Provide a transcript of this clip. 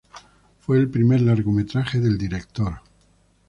Fue el primer largometraje del director.